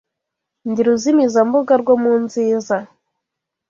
Ndi ruzimizambuga rwo mu nziza